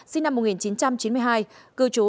sinh năm một nghìn chín trăm chín mươi hai cư trú